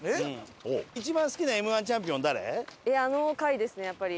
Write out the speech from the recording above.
あの回ですねやっぱり。